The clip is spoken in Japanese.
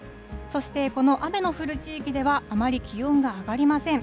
そしてこの雨の降る地域では、あまり気温が上がりません。